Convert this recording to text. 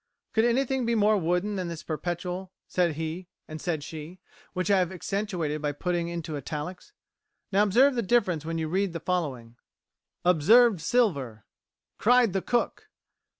Could anything be more wooden than this perpetual "said he, said she," which I have accentuated by putting into italics? Now, observe the difference when you read the following: Observed Silver. Cried the Cook.